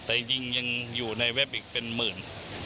แต่ยิงยังอยู่ในเว็บอีกเป็นหมื่น